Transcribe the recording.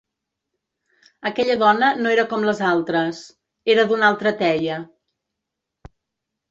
Aquella dona no era com les altres; era d'una altra teia.